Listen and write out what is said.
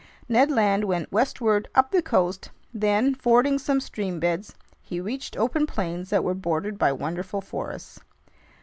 Ned Land went westward up the coast; then, fording some stream beds, he reached open plains that were bordered by wonderful forests.